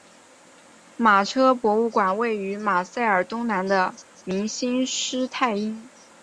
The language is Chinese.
马车博物馆位于巴塞尔东南的明兴施泰因。